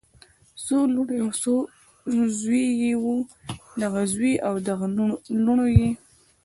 څو لوڼې او زوي یې وو دغه زوي او دغه لوڼو یی